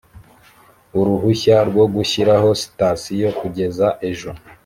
uruhushya rwo gushyiraho sitasiyo kugeza ejo